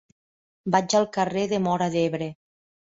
Vaig al carrer de Móra d'Ebre.